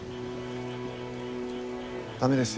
駄目ですよ